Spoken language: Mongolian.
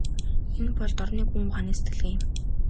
Энэ бол дорнын гүн ухааны сэтгэлгээ юм.